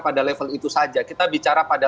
pada level itu saja kita bicara pada